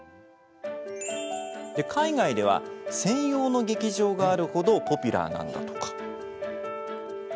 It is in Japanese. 海外では専用の劇場があるほどポピュラーなんだとか。